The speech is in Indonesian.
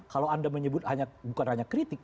kalau anda menyebut bukan hanya kritik